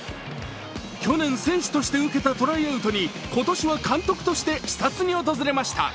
去年、選手として受けたトライアウトに、今年は監督として視察に訪れました。